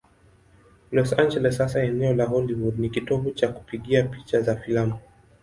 Los Angeles, hasa eneo la Hollywood, ni kitovu cha kupiga picha za filamu.